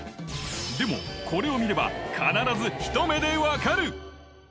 でも、これを見れば必ずひと目でわかる。